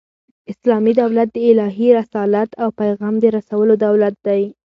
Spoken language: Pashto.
اسلامي دولت د الهي رسالت او پیغام د رسولو دولت دئ.